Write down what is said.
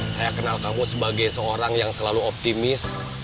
saya kenal kamu sebagai seorang yang selalu optimis